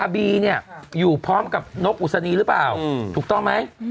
บีเนี่ยอยู่พร้อมกับนกอุศนีหรือเปล่าถูกต้องไหม